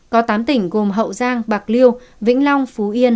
có tám tỉnh gồm hậu giang bạc liêu